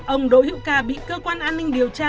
ông đỗ hữu ca bị cơ quan an ninh điều tra